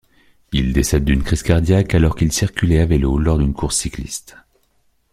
Il décède d'une crise cardiaque alors qu'il circulait à vélo lors d’une course cycliste.